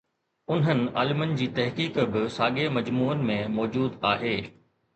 انهن عالمن جي تحقيق به ساڳئي مجموعن ۾ موجود آهي.